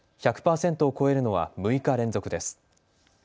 １００％を超えるのは６日連続です。